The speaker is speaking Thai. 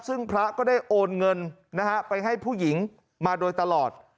ซึ่งพระก็ได้โอนเงินนะฮะไปให้ผู้หญิงมาโดยตลอด